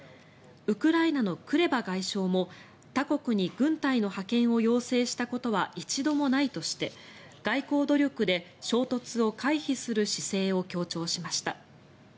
ウクライナのクレバ外相も他国に軍隊の派遣を要請したことは一度もないとして外交努力で衝突を回避する姿勢を強調しました。